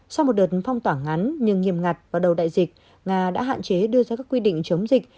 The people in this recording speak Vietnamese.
sau một đợt phong tỏa ngắn nhưng nghiêm ngặt vào đầu đại dịch nga đã hạn chế đưa ra các quy định chống dịch